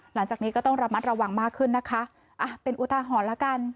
หลังจากนี้ก็ต้องระมัดระวังมากขึ้นนะคะอ่ะเป็นอุทาหรณ์แล้วกัน